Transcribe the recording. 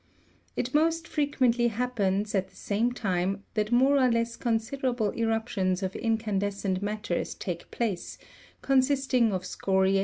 It most frequently happens, at the same time, that more or less con siderable eruptions of incandescent matters take place, consisting of scoria?